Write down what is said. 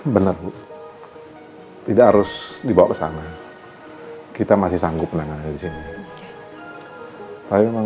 bener tidak harus dibawa ke sana kita masih sanggup menangani disini saya memang